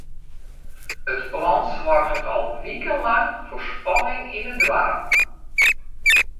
It plan soarget al wikenlang foar spanning yn it doarp.